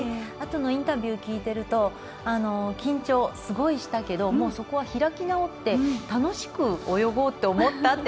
インタビューを聞いていると緊張、すごいしたけどそこは開き直って楽しく泳ごうと思ったって。